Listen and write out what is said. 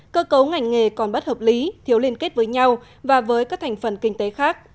cơ cấu ngành nghề còn bất hợp lý thiếu liên kết với nhau và với các thành phần kinh tế khác